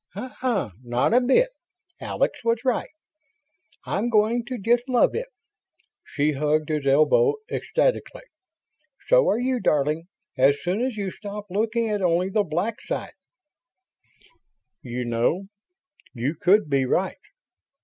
"Uh uh. Not a bit. Alex was right. I'm going to just love it!" She hugged his elbow ecstatically. "So are you, darling, as soon as you stop looking at only the black side." "You know ... you could be right?"